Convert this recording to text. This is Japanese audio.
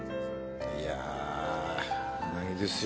いやうなぎですよ